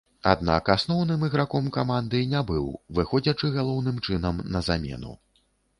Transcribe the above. Аднак асноўным іграком каманды не быў, выходзячы галоўным чынам на замену.